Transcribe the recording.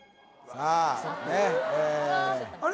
あれ